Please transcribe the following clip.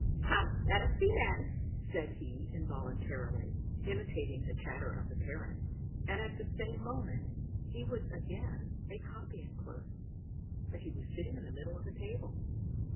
"Come, let us be men!" said he, involuntarily imitating the chatter of the Parrot, and at the same moment he was again a copying clerk; but he was sitting in the middle of the table.